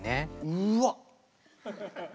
うわっ！